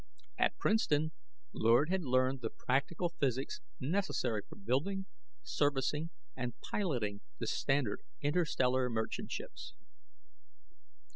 At Princeton Lord had learned the practical physics necessary for building, servicing and piloting the standard interstellar merchant ships.